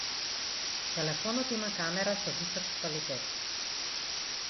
Телефонот има камера со висок квалитет.